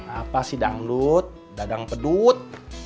apa sih dangdut dagang pedut